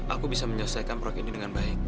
aku bisa menyelesaikan proyek ini dengan baik